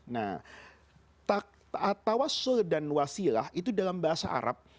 nah tawassul dan wasilah itu dalam bahasa arab